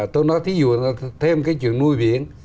tôi nói thí dụ thêm cái chuyện nuôi biển